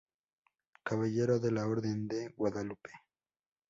Caballero de la Orden de Guadalupe.